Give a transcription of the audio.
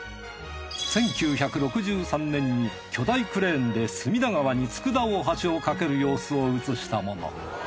１９６３年に巨大クレーンで隅田川に佃大橋を架ける様子を映したもの。